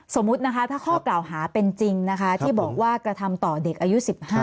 สมมุตินะคะถ้าข้อกล่าวหาเป็นจริงนะคะที่บอกว่ากระทำต่อเด็กอายุ๑๕